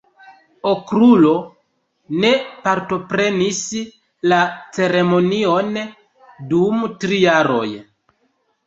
Okrulo ne partoprenis la ceremonion dum tri jaroj.